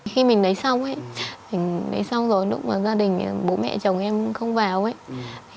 khi mình lấy xong ấy xong rồi lúc mà gia đình bố mẹ chồng em không vào ấy